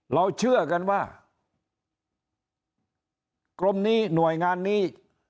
เราเชื่อกันว่ากรมนี้หน่วยงานนี้